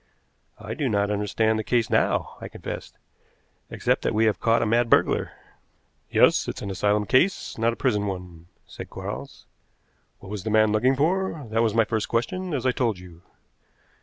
"I do not understand the case now," I confessed, "except that we have caught a mad burglar." "Yes, it's an asylum case, not a prison one," said Quarles. "What was the man looking for? That was my first question, as I told you.